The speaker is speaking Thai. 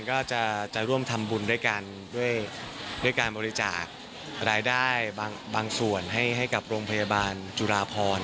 ก็จะร่วมทำบุญด้วยกันด้วยการบริจาครายได้บางส่วนให้กับโรงพยาบาลจุฬาพร